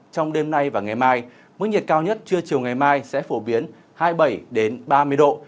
trong đêm nay và ngày mai mức nhiệt cao nhất trưa chiều ngày mai sẽ phổ biến hai mươi bảy ba mươi độ